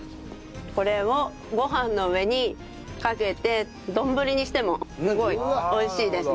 これをご飯の上にかけて丼にしてもすごい美味しいですね。